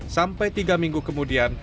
sampai tiga minggu kemudian